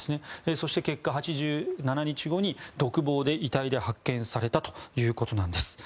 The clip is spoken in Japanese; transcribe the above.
そして、結果８７日後に独房で遺体で発見されたということなんです。